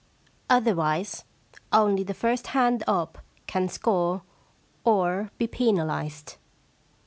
Otherwise, only the first hand up can score or be penalised.